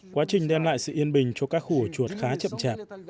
quá trình đem lại sự yên bình cho các khu hồ chuột khá chậm chạp